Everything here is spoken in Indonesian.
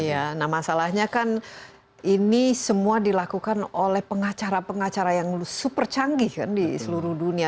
iya nah masalahnya kan ini semua dilakukan oleh pengacara pengacara yang super canggih kan di seluruh dunia